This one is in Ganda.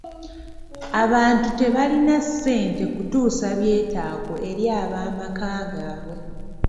Abantu tebalina ssente kutuusa byetaago eri ab'amaka gaabwe.